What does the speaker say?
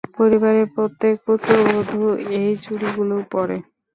পরিবারের প্রত্যেক পুত্রবধূ এই চুড়িগুলো পরে।